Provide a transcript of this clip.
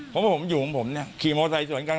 เพราะว่าผมอยู่ของผมขี่โมไทยส่วนกัน